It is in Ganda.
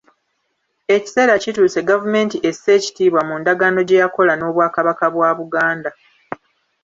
Ekiseera kituuse gavumenti esse ekitiibwa mu ndagaano gye yakola n’Obwakabaka bwa Buganda.